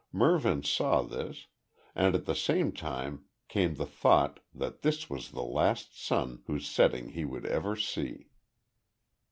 Mervyn saw this and at the same time came the thought that this was the last sun whose setting he would ever see.